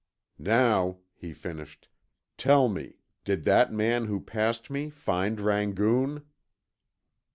"Now," he finished, "tell me, did that man who passed me find Rangoon?"